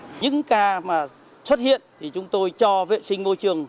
những ca mà xuất hiện thì chúng tôi cho vệ sinh môi trường